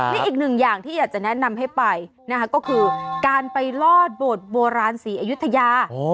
นี่อีกหนึ่งอย่างที่อยากจะแนะนำให้ไปนะคะก็คือการไปลอดโบสถ์โบราณศรีอยุธยา